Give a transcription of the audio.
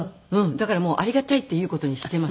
だからもうありがたいって言う事にしています。